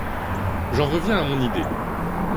J’en reviens à mon idée.